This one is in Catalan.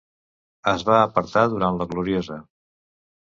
Es va apartar durant La Gloriosa.